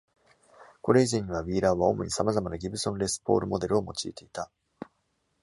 これ以前には、Wheeler は主に様々な Gibson Les Paul モデルを用いていた。